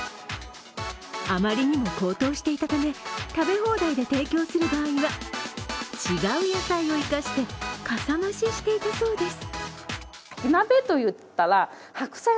あまりにも高騰していたため食べ放題で提供する場合は違う野菜を生かして、かさ増ししていたそうです。